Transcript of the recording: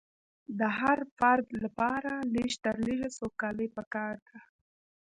د هر فرد لپاره لږ تر لږه سوکالي پکار ده.